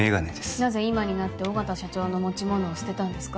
なぜ今になって緒方社長の持ち物を捨てたんですか？